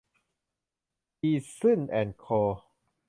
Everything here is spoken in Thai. อีซึ่น แอนด์ โค